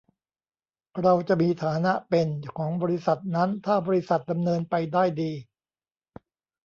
เราจะมีฐานะเป็น ของบริษัทนั้น ถ้าบริษัทดำเนินไปได้ดี